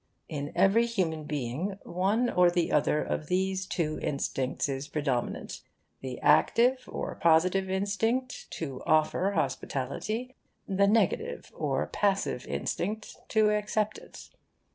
In every human being one or the other of these two instincts is predominant: the active or positive instinct to offer hospitality, the negative or passive instinct to accept it.